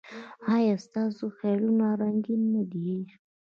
ایا ستاسو خیالونه رنګین نه دي؟